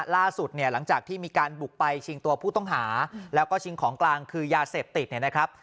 ล่าสุดเนี่ยหลังจากที่มีการบุกไปชิงตัวผู้ต้องหาแล้วก็ชิงของกลางคือยาเสพติดเนี่ยนะครับ